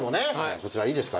こちらいいですか？